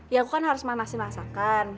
ya aku kan harus makan nasi masakan